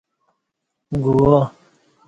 گوا